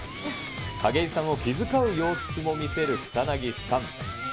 景井さんを気遣う様子も見せる草薙さん。